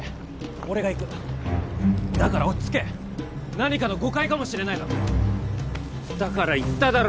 俺が行くだから落ち着け何かの誤解かもしれないだろだから言っただろ